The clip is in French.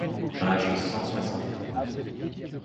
page cent soixante-trois.